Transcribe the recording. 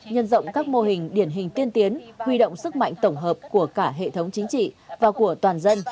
nhân rộng các mô hình điển hình tiên tiến huy động sức mạnh tổng hợp của cả hệ thống chính trị và của toàn dân